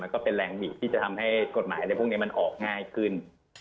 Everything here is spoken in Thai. ก็เป็นแรงบิกที่จะทำให้กฎหมายอะไรพวกนี้มันออกง่ายขึ้น